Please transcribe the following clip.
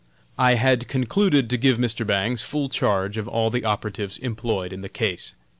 I had concluded to give Mr. Bangs full charge of all the operatives employed in the case.